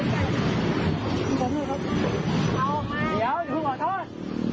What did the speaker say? มึงแจ้งตรงส่วน